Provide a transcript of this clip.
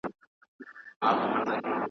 د مور په نس کي د پیرانو پیر وو .